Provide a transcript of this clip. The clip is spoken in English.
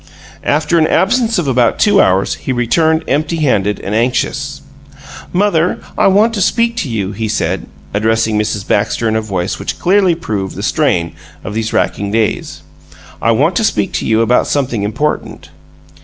... After an absence of about two hours he returned empty handed and anxious. "Mother, I want to speak to you," he said, addressing Mrs Baxter in a voice which clearly proved the strain of these racking days. "I want to speak to you about something important."